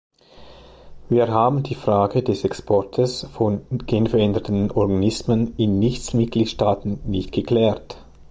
Wir haben die Frage des Exports von genveränderten Organismen in Nichtmitgliedstaaten nicht geklärt.